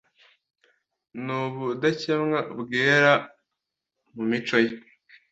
Ni ubudakemwa bwera mu mico ye